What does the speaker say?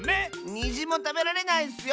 にじもたべられないッスよ！